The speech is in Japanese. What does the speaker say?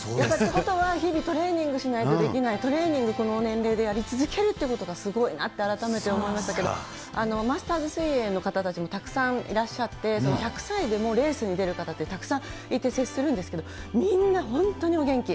日々、トレーニングしないとできない、トレーニング、この年齢でやり続けるってことがすごいなって改めて思いましたけど、マスターズ水泳の方たちもたくさんいらっしゃって、１００歳でもレースに出る方ってたくさんいて、接するんですけど、みんな、本当にお元気。